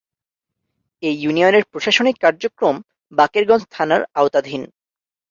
এ ইউনিয়নের প্রশাসনিক কার্যক্রম বাকেরগঞ্জ থানার আওতাধীন।